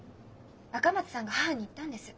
赤松さんが母に言ったんです。